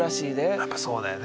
やっぱそうだよね。